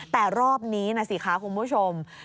แต่รอบนี้นะสิคะคุณผู้ชม